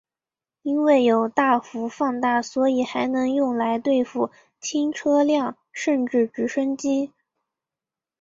因为有大幅放大所以还能用来对付轻车辆甚至直升机。